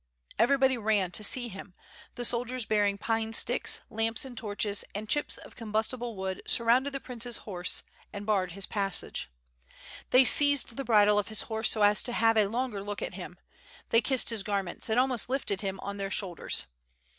Everybody ran to receive him; the soldiers bearing pine sticks, lamps and torches and chips of combustible wood sur rounded the prince's horse and barred his passage. They seized the bridle of his horse so as to have a longer look at him, they kissed his garments, and almost lifted him on their shoulders.